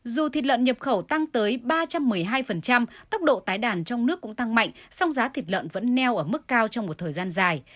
dù thịt lợn nhập khẩu tăng tới ba trăm một mươi hai tốc độ tái đàn trong nước cũng tăng mạnh song giá thịt lợn vẫn neo ở mức cao trong một thời gian dài